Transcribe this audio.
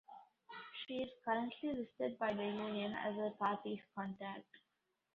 She is currently listed by the Union as the party's contact.